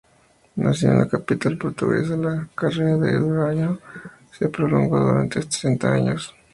Nacido en la capital portuguesa, la carrera de Durão se prolongó durante sesenta años.